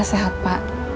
rena sehat sehat saja kan bu